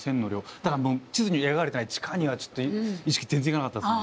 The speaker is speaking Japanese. だからもう地図に描かれてない地下にはちょっと意識全然いかなかったっすね。